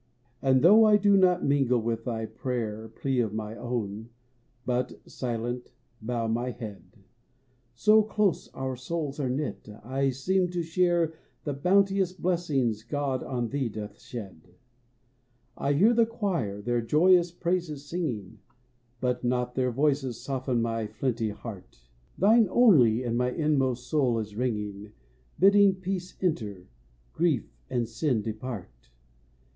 And though I do not mingle with thy prayer Plea of my own, but, silent, bow my head, So close our souls are knit, I seem to share The bounteous blessings God on thee doth shed. I hear the choir their joyous praises singing, But not their voices soften my flint heart; Thine only in my inmost soul is ringing, Bidding peace enter, grief and sin depart.